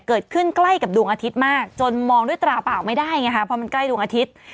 ใกล้กับดวงอาทิตย์มากจนมองด้วยตราเปล่าไม่ได้ไงค่ะเพราะมันใกล้ดวงอาทิตย์